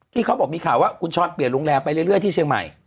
เขาบอกมีข่าวว่าคุณช้อนเปลี่ยนโรงแรมไปเรื่อยที่เชียงใหม่